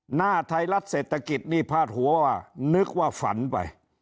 หน้าไทยรัฐเศรษฐกิจนี่พาดหัวว่านึกว่าฝันไป